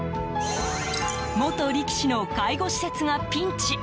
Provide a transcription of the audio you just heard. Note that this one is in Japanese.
元力士の介護施設がピンチ。